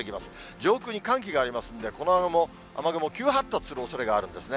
上空に寒気がありますんで、この雨雲、急発達するおそれがあるんですね。